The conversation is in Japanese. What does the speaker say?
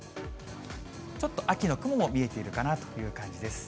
ちょっと秋の雲も見えているかなという感じです。